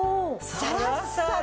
サラッサラ！